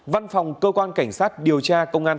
văn phòng cơ quan cảnh sát điều tra công an tổng thống